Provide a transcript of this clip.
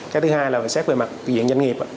cái thứ hai là xét về mặt viện doanh nghiệp